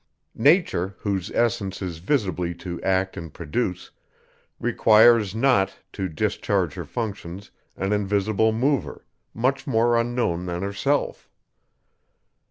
Nature, whose essence is visibly to act and produce, requires not, to discharge her functions, an invisible mover, much more unknown than herself.